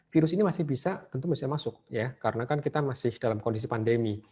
virus ini masih bisa masuk karena kita masih dalam kondisi pandemi